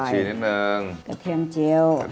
กระเทียมเจียว